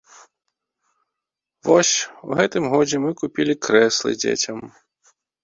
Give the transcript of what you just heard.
Вось, у гэтым годзе мы купілі крэслы дзецям.